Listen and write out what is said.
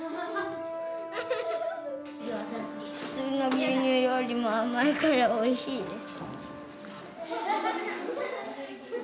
普通の牛乳よりも甘いからおいしいです。